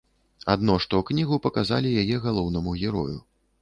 Адно што кнігу паказалі яе галоўнаму герою.